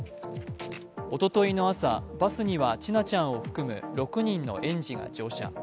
おとといの朝、バスには千奈ちゃんを含む６人の園児が乗車。